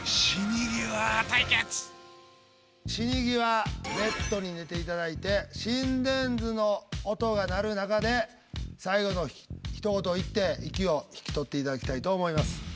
死に際ベッドに寝ていただいて心電図の音が鳴る中で最期のひと言を言って息を引き取っていただきたいと思います。